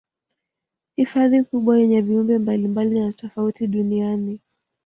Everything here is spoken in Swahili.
Hifadhi kubwa yenye viumbe mbalimbali na tofauti duniani